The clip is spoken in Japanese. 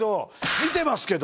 「見てますけど！」